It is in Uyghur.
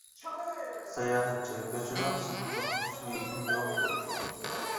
ساياھەتچى :-كەچۈرۈڭ، سىزنى قورقۇتۇش نىيىتىم يوق، -دەپتۇ.